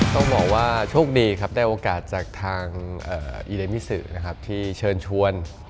ต้องบอกว่าโชคดีครับได้โอกาสจากทางอิเรมมิสุที่เชิญชวน